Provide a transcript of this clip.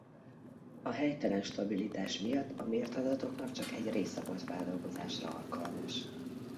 A helytelen stabilitás miatt a mért adatoknak csak egy része volt feldolgozásra alkalmas.